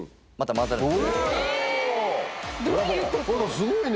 すごいね。